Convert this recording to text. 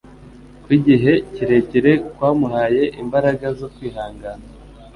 kw’igihe kirekire kwamuhaye imbaraga zo kwihangana.